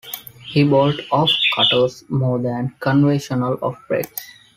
He bowled off-cutters more than conventional off breaks.